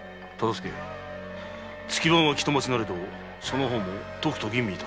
月番は北町なれどその方もとくと吟味致せ。